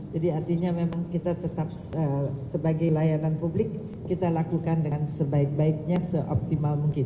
jadi artinya memang kita tetap sebagai layanan publik kita lakukan dengan sebaik baiknya seoptimal mungkin